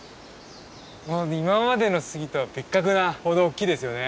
今までの杉とは別格なほど大きいですよね。